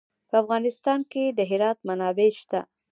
په افغانستان کې د هرات منابع شته.